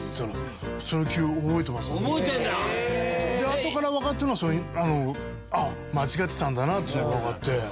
あとからわかったのはああ間違ってたんだなっていうのがわかって。